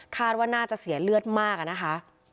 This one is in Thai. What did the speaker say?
ว่าน่าจะเสียเลือดมากอะนะคะ